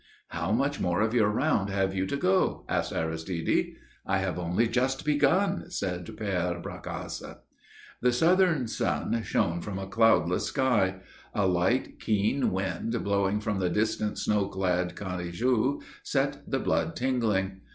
"How much more of your round have you to go?" asked Aristide. "I have only just begun," said Père Bracasse. The Southern sun shone from a cloudless sky; a light, keen wind blowing from the distant snow clad Canigou set the blood tingling.